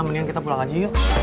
mendingan kita pulang aja yuk